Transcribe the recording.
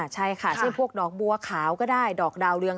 ใช่ค่ะเช่นพวกดอกบัวขาวก็ได้ดอกดาวเรือง